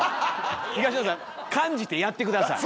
東野さん感じてやって下さい。